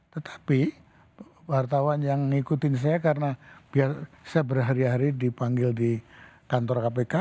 tetapi wartawan yang ngikutin saya karena biar saya berhari hari dipanggil di kantor kpk